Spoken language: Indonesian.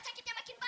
ibu kenapa bu